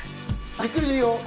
ゆっくりでいいよ。